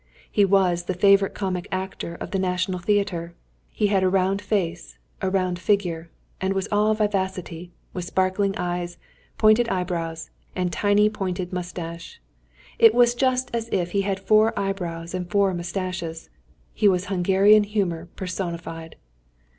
He was the favourite comic actor of the National Theatre.... He had a round face, a round figure, and was all vivacity, with sparkling eyes, pointed eyebrows, and tiny pointed moustache; it was just as if he had four eyebrows and four moustaches: he was Hungarian humour personified.